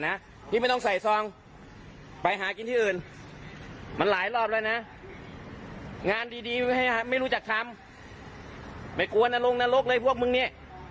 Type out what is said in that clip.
ไปเลยน่ะออกจากปำไปเลยนี่แบบอย่างงี้